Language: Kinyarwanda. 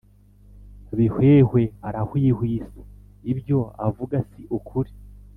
Bihwehwe arahwihwisa ibyo avuga si ukuri